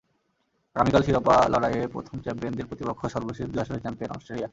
আগামীকাল শিরোপা লড়াইয়ে প্রথম চ্যাম্পিয়নদের প্রতিপক্ষ সর্বশেষ দুই আসরের চ্যাম্পিয়ন অস্ট্রেলিয়া।